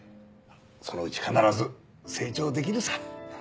そのうち必ず成長できるさ。